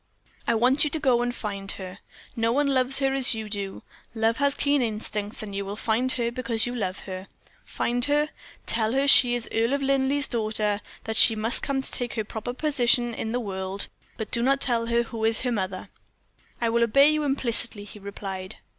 "I want you to go and find her. No one loves her as you do. Love has keen instincts; you will find her because you love her. Find her tell her she is the Earl of Linleigh's daughter that she must come to take her proper position in the great world; but do not tell her who is her mother." "I will obey you implicitly," he replied.